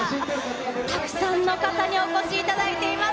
たくさんの方にお越しいただいています。